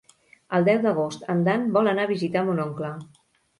El deu d'agost en Dan vol anar a visitar mon oncle.